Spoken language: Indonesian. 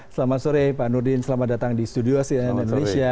selamat sore pak nurdin selamat datang di studio cnn indonesia